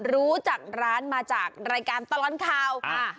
รู้จักร้านมาจากรายการตลอดข่าวค่ะ